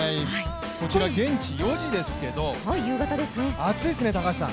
こちら現地４時ですけれども暑いですね、高橋さん。